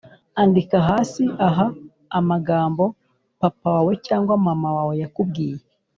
Andika hasi aha amagambo papa wawe cyangwa mama yakubwiye